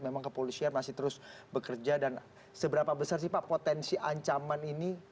memang kepolisian masih terus bekerja dan seberapa besar sih pak potensi ancaman ini